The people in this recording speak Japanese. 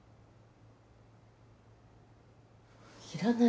いらない。